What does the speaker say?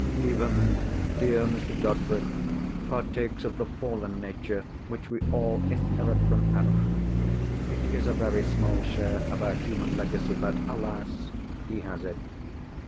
Even dear Mr. Godfrey partakes of the fallen nature which we all inherit from Adam—it is a very small share of our human legacy, but, alas! he has it.